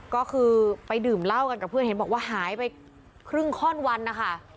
ก็คือไปดื่มเหล้ากันกับเพื่อนเห็นบอกว่าหายไปครึ่งข้อนวันนะคะ